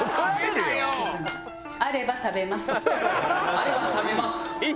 あれば食べます。